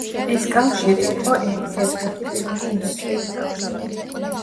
ეს კავშირი იყო ერის ერთ-ერთი პირველი ინდუსტრიული კავშირი.